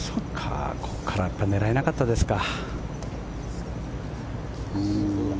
ここから狙えなかったですか。